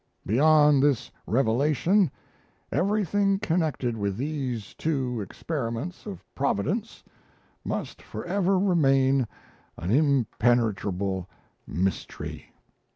Beyond this revelation everything connected with these two experiments of Providence must for ever remain an impenetrable mystery."